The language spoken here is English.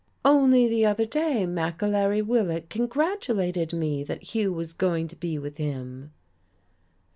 "Only the other day McAlery Willett congratulated me that Hugh was going to be with him."